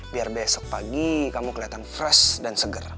biar besok pagi kamu kelihatan fresh dan seger